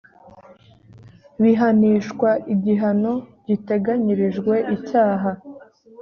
bihanishwa igihano giteganyirijwe icyaha